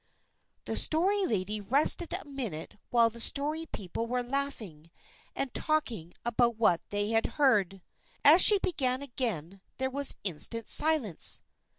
The Story Lady rested a minute while the Story People were laughing and talking about what they had heard. As she began again, there was instant silence.